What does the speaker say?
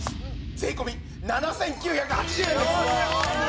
税込７９８０円です！